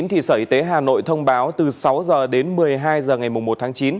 hà nội thông báo từ sáu h đến một mươi hai h ngày một tháng chín